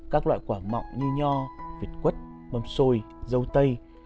các loại quả mọng như nho vịt quất mâm xôi dâu tây